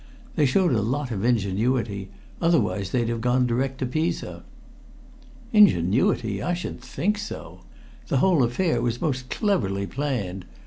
They showed a lot of ingenuity, otherwise they'd have gone direct to Pisa." "Ingenuity! I should think so! The whole affair was most cleverly planned.